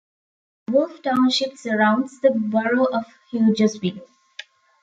Wolf Township surrounds the borough of Hughesville.